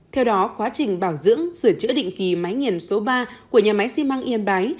theo đó quá trình bảo dưỡng sửa chữa định kỳ máy nghiền số ba của nhà máy xi măng yên bái